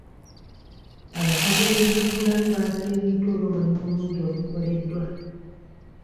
Abakozi b'ebyobulamu baasiimiddwa olw'omulimu omulungi ogukoleddwa.